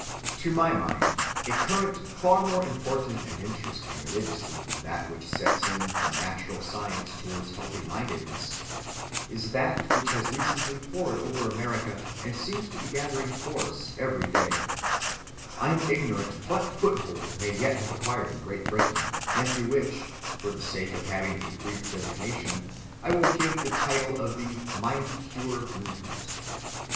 To my mind a current far more important and interesting religiously than that which sets in from natural science towards healthy‐mindedness is that which has recently poured over America and seems to be gathering force every day,—I am ignorant what foothold it may yet have acquired in Great Britain,—and to which, for the sake of having a brief designation, I will give the title of the "Mind‐cure movement."